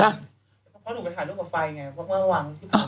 เพราะหนูไปถ่ายรูปกับไฟไงผมมาวาง